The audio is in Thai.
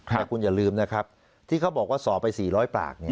แต่คุณอย่าลืมนะครับที่เขาบอกว่าสอไปสี่ร้อยปากเนี่ย